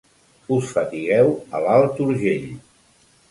Us fatigueu a l'Alt Urgell.